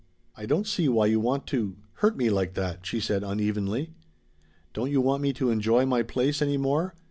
"I don't see why you want to hurt me like that," she said unevenly. "Don't you want me to enjoy my place any more?